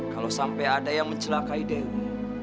kalau sampai ada yang mencelakai demo